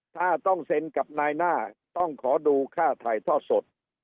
ถ้าต้องเซ็นกับนายหน้าต้องขอดูค่าถ่ายทอดสด